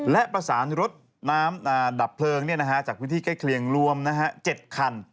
และประสานรถน้ำดับเพลิงจากพื้นที่ใกล้เคลียงรวม๗คัน